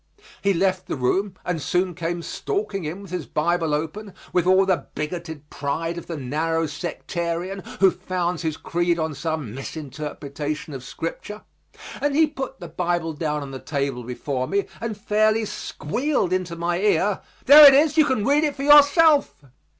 He left the room and soon came stalking in with his Bible open, with all the bigoted pride of the narrow sectarian, who founds his creed on some misinterpretation of Scripture, and he put the Bible down on the table before me and fairly squealed into my ear, "There it is. You can read it for yourself."